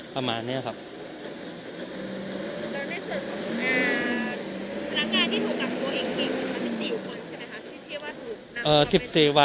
ประมาณเนี้ยครับแล้วในส่วนของอ่าพนักงานที่ถูกกับตัวเองเองเป็นสิบสี่คนใช่ไหมครับ